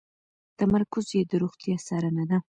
تمرکز یې د روغتیا څارنه ده.